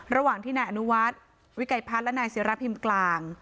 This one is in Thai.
ระหว่างที่นายอนุวัฒน์วิไกรภัทรและนายเสียรัพย์ภิมศ์กลาง